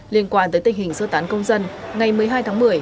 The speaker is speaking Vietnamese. liên quan tới tình hình sơ tán công dân ngày một mươi hai tháng một mươi